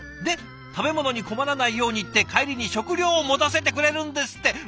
で食べ物に困らないようにって帰りに食料を持たせてくれるんですって。